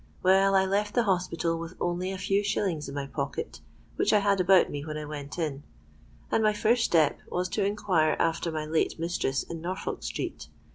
Well, I left the hospital with only a few shillings in my pocket, which I had about me when I went in; and my first step was to enquire after my late mistress in Norfolk Street.